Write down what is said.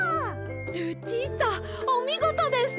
ルチータおみごとです。